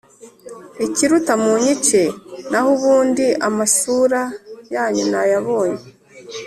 ikiruta munyice nahubundi amasura yanyu nayabonye.